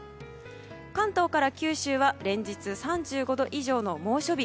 関東から九州は連日３５度以上の猛暑日。